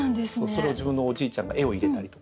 それを自分のおじいちゃんが絵を入れたりとか。